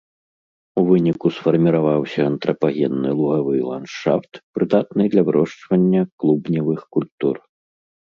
У выніку сфарміраваўся антрапагенны лугавы ландшафт, прыдатны для вырошчвання клубневых культур.